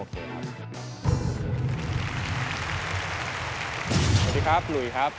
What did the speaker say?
บางที่มันก็ไม่จำเป็นต้องมีแพลนครับ